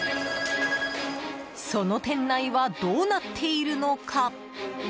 その店内はどうなっているのか。